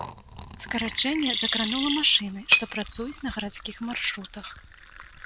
Скарачэнне закранула машыны, што працуюць на гарадскіх маршрутах.